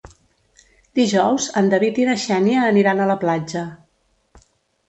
Dijous en David i na Xènia aniran a la platja.